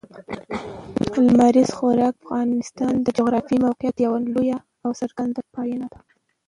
لمریز ځواک د افغانستان د جغرافیایي موقیعت یوه لویه او څرګنده پایله ده.